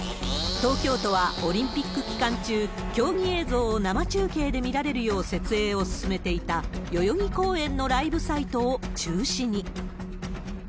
東京都は、オリンピック期間中、競技映像を生中継で見られるよう設営を進めていた代々木公園のライブサイトを中止に。